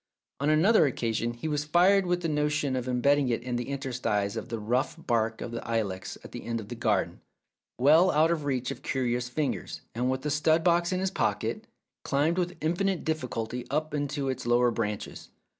On another occasion he was fired with the original notion of embedding it in the interstices of the rough bark of the ilex at the end of the garden, well out of reach of curious fingers, and with the stud box in his pocket, climbed with infinite difficulty up into its lower branches.